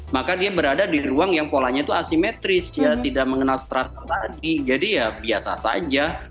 maka dia berada di ruang yang polanya itu asimetris ya tidak mengenal strata tadi jadi ya biasa saja